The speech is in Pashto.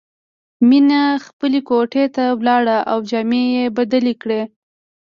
مینه خپلې کوټې ته لاړه او جامې یې بدلې کړې